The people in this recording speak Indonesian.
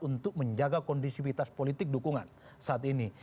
untuk menjaga kondisivitas politik dukungan saat ini